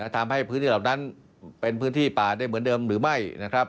ทำให้พื้นที่เหล่านั้นเป็นพื้นที่ป่าได้เหมือนเดิมหรือไม่นะครับ